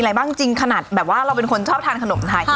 อะไรบ้างจริงขนาดแบบว่าเราเป็นคนชอบทานขนมไทย